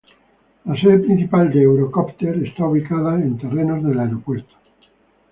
La sede principal de Eurocopter está ubicada en terrenos del aeropuerto.